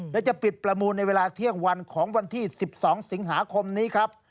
และจะปิดประมูลในเวลาเที่ยงวันของวันที่๑๒สิงหาคมนี้ครับ